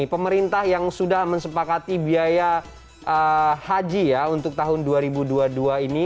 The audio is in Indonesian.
pemerintah yang sudah mensepakati biaya haji ya untuk tahun dua ribu dua puluh dua ini